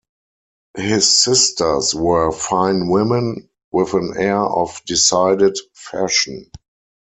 His sisters were fine women, with an air of decided fashion.